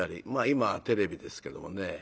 今はテレビですけどもね。